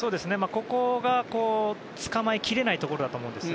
ここが、つかまえきれないところだと思います。